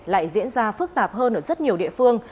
lại diễn ra phức tạp hơn ở rất nhiều địa phương